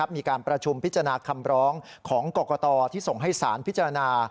มีการประชุมพิจารณาคำร้องของกรกตที่ส่งให้สารพิจารณา